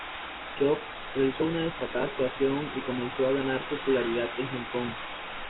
Chow realizó una destacada actuación y comenzó a ganar popularidad en Hong Kong.